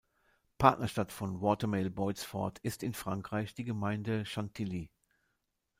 Partnerstadt von Watermael-Boitsfort ist in Frankreich die Gemeinde Chantilly.